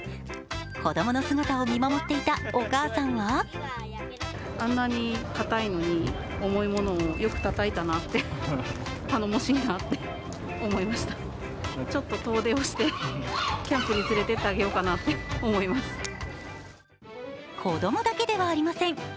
子供の姿を見守っていたお母さんは子供だけではありません。